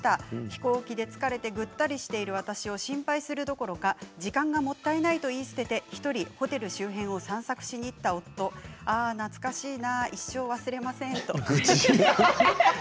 飛行機で疲れてぐったりしている私を心配するどころか時間がもったいないと言い捨てて１人ホテル周辺を散策しに行った夫懐かしいな、一生忘れませんと。